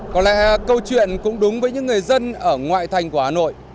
có lẽ câu chuyện cũng đúng với những người dân ở ngoại thành của hà nội